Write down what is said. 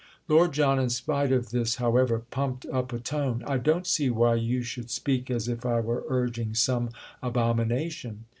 Lord John, in spite of this however, pumped up a tone. "I don't see why you should speak as if I were urging some abomination."